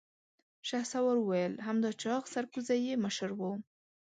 شهسوار وويل: همدا چاغ سرکوزی يې مشر و.